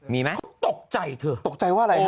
มีไหมตกใจเถอะโอ้มายก๊อดเขาตกใจว่าอะไร